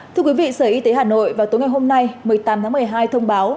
thưa quý vị sở y tế hà nội vào tối ngày hôm nay một mươi tám tháng một mươi hai thông báo